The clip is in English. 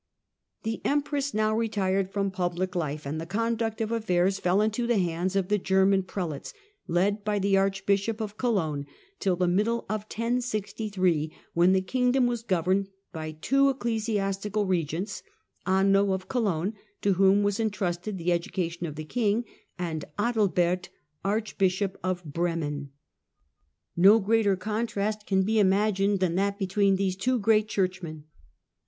The Empress now retired from public life, and the conduct of affairs fell into the hands of the German pre lates, led by the archbishop of Cologne, till the middle of 1063, when the kingdom was governed by two ecclesiastical regents, Anno of Colosjne, to whom was entrusted the education of the King, and Adalbert, Archbishop of Bremen. No greater contrast can be imagined than that between these two great churchmen.